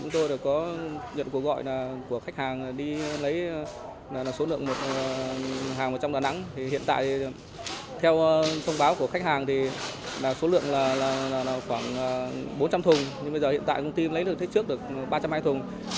theo thông báo của khách hàng thì số lượng là khoảng bốn trăm linh thùng nhưng bây giờ hiện tại công ty lấy được hết trước được ba trăm hai mươi thùng